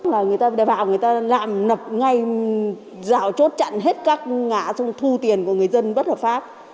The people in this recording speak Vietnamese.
là người ta vào người ta làm ngay rào chốt chặn hết các ngã xung thu tiền của người dân bất hợp pháp